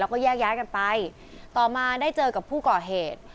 แล้วก็แยกย้ายกันไปต่อมาได้เจอกับผู้ก่อเหตุ